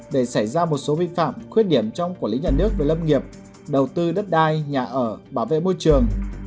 để xảy ra một số vi phạm khuyết điểm trong quản lý nhà nước về lâm nghiệp đầu tư đất đai nhà ở bảo vệ môi trường